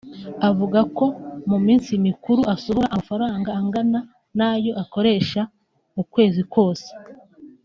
avuga ko mu minsi mikuru asohora amafaranga angana n’ayo akoresha ukwezi kose